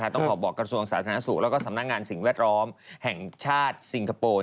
ต้องบอกกระทรวงสาธารณสุขแล้วก็สำนักงานสิ่งแวดล้อมแห่งชาติซิงคโปร์